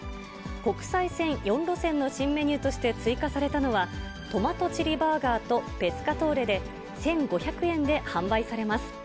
国際線４路線の新メニューとして追加されたのは、トマトチリバーガーとペスカトーレで、１５００円で販売されます。